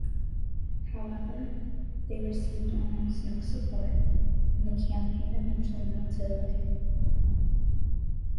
However, they received almost no support and the campaign eventually melted away.